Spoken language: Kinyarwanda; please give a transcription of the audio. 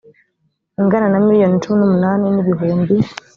ingana na miliyoni cumi n umunani n ibihumbi